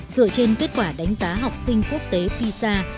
dựa trên kết quả đánh giá học sinh quốc tế pisa